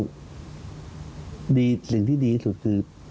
ไม่ดีสิ่งที่ดีที่สุดคือ